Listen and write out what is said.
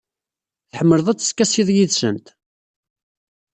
Tḥemmleḍ ad teskasiḍ yid-sent?